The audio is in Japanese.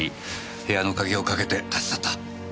部屋の鍵をかけて立ち去った。